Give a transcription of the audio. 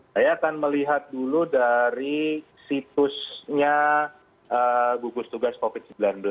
saya akan melihat dulu dari situsnya gugus tugas covid sembilan belas